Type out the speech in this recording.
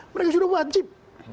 mereka sudah wajib